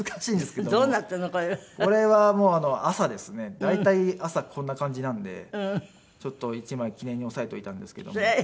大体朝こんな感じなんでちょっと１枚記念に押さえといたんですけども。